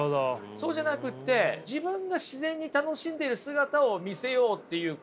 そうじゃなくって自分が自然に楽しんでる姿を見せようっていう初心に返ればね